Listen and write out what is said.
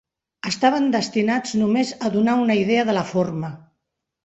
Estaven destinats només a donar una idea de la forma.